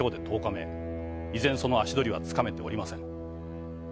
依然その足取りはつかめておりません。